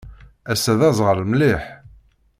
Ass-a d aẓɣal mliḥ.